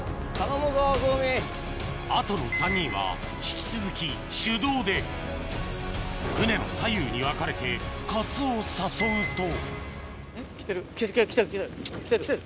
あとの３人は引き続き手動で船の左右に分かれてカツオを誘うとあぁ来てる来てる。